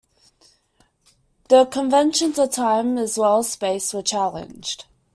The conventions of time, as well as space, were challenged.